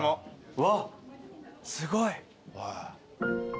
うわっすごい。